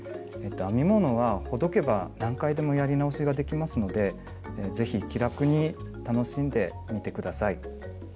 編み物はほどけば何回でもやり直しができますので是非気楽に楽しんでみて下さい。